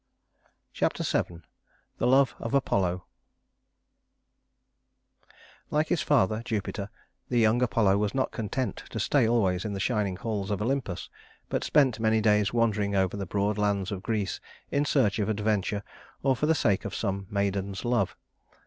Chapter VII The Love of Apollo I Like his father, Jupiter, the young Apollo was not content to stay always in the shining halls of Olympus, but spent many days wandering over the broad lands of Greece in search of adventure, or for the sake of some maiden's love.